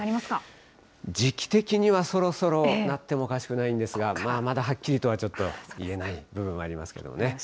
時期的には、そろそろなってもおかしくないんですが、まあ、まだはっきりとはちょっと、言えない部分ありますけれどもね。